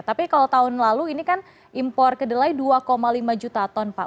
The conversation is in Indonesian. tapi kalau tahun lalu ini kan impor kedelai dua lima juta ton pak